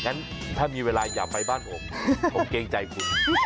งั้นถ้ามีเวลาอย่าไปบ้านผมผมเกรงใจคุณ